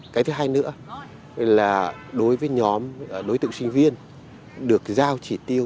cái thứ hai nữa là đối với nhóm đối tượng sinh viên được giao chỉ tiêu